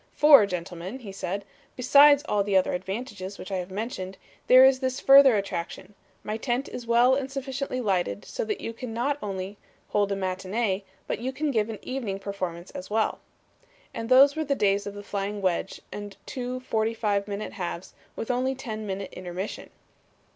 "'For, gentlemen,' said he, 'besides all the other advantages which I have mentioned, there is this further attraction my tent is well and sufficiently lighted so that you can not only hold a matinee, but you can give an evening performance as well.' "And those were the days of the flying wedge and two forty five minute halves with only ten minutes intermission!"